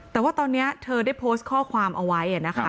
แต่ว่าตอนนี้เธอได้โพสต์ข้อความเอาไว้นะคะ